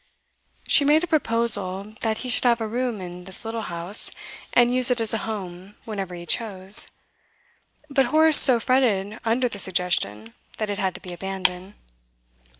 She made a proposal that he should have a room in this little house, and use it as a home whenever he chose; but Horace so fretted under the suggestion, that it had to be abandoned.